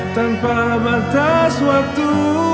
tanpa batas waktu